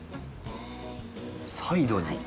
サイドに。